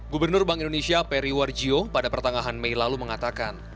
gubernur bank indonesia peri warjio pada pertengahan mei lalu mengatakan